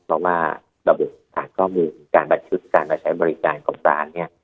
เพราะว่าบริการก็มีการบัตรชุดการมาใช้บริการของการเนี่ย